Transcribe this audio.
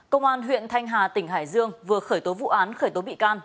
công an huyện thanh hà tỉnh hải dương vừa khởi tố vụ án khởi tố bị can